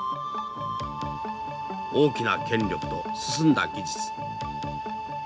大きな権力と進んだ技術。